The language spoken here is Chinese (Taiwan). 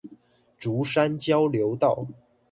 竹山交流道